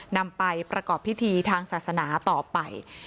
นำไปประกอบพิธีทางศาสนาต่อไป